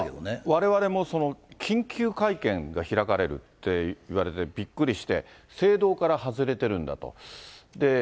われわれも緊急会見が開かれるっていわれてびっくりして、正道から外れてるんだと。